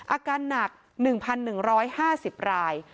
อาการหนัก๑๑๕๐ราย